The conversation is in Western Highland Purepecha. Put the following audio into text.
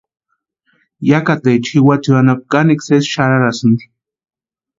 Yakateecha jiwatsio anapu kanekwa sésï xarharasïnti.